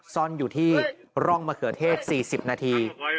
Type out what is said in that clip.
ซ่อนอยู่ที่ร่องมะเขือเทศ๔๐นาที